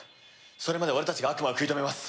それまで俺たちが悪魔を食い止めます！